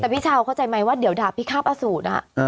แต่พี่เช้าเข้าใจไหมว่าเดี๋ยวด่าพี่คาบอสูตร